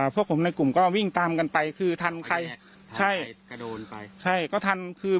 พวกผมในกลุ่มก็วิ่งตามกันไปคือทันใครใช่กระโดนไปใช่ก็ทันคือ